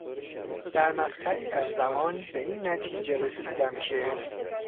در مقطعی از زمان به این نتیجه رسیدم که